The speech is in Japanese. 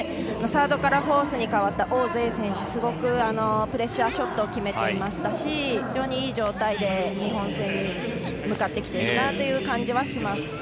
サードからフォースに変わった王ぜい選手はすごくプレッシャーショットを決めていましたし非常にいい状態で日本戦に向かってきている感じはします。